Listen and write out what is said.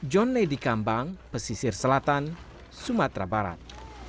john nedi kambang pesisir selatan sumatera barat